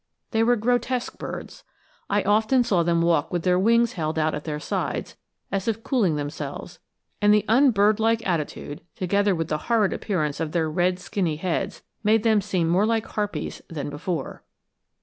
They were grotesque birds. I often saw them walk with their wings held out at their sides as if cooling themselves, and the unbird like attitude together with the horrid appearance of their red skinny heads made them seem more like harpies than before.